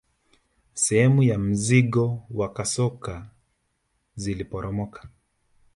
Sehemu za mzingo wa kasoko ziliporomoka